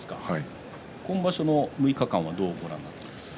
今場所の６日間はどうご覧になっていますか？